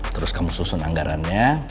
terus kamu susun anggarannya